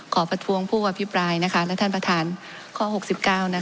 ประท้วงผู้อภิปรายนะคะและท่านประธานข้อ๖๙นะคะ